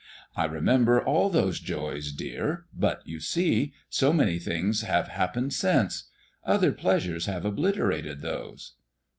I remember all those joys, dear; but, you see, so many things have happened since. Other pleasures have obliterated those."